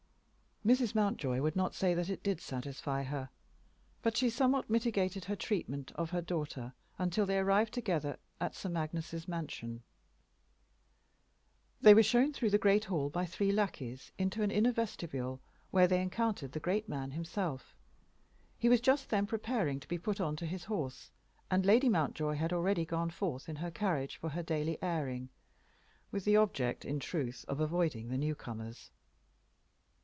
Mrs. Mountjoy would not say that it did satisfy her; but she somewhat mitigated her treatment of her daughter till they arrived together at Sir Magnus's mansion. They were shown through the great hall by three lackeys into an inner vestibule, where they encountered the great man himself. He was just then preparing to be put on to his horse, and Lady Mountjoy had already gone forth in her carriage for her daily airing, with the object, in truth, of avoiding the new comers.